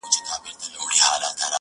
دا ستا پر ژوند در اضافه كي گراني!!